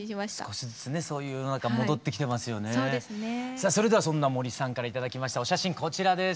さあそれではそんな杜さんから頂きましたお写真こちらです。